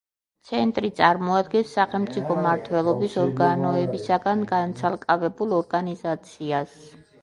ცენტრი წარმოადგენს სახელმწიფო მმართველობის ორგანოებისაგან განცალკევებულ ორგანიზაციას.